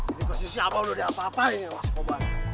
ini posisi abah udah diapa apain ya sama skobar